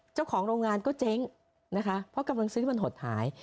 เจ้าของโรงงานก็เจ๊งนะคะเพราะกำลังซื้อมันหดหาย